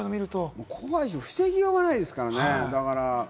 怖いし、防ぎようがないですからね。